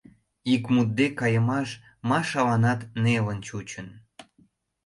Ик мутде кайымаш Машаланат нелын чучын.